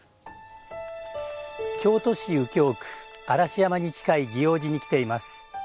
京都市右京区嵐山に近い祇王寺に来ています。